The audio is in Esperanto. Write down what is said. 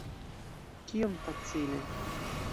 Kiom facile!